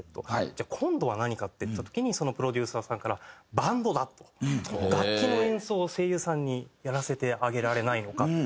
じゃあ今度は何かっていった時にそのプロデューサーさんから「バンドだ」と。楽器の演奏を声優さんにやらせてあげられないのかって。